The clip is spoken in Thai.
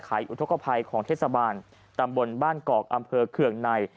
อุทธกภัยของเทศบาลตำบลบ้านกอกอำเภอเคืองใน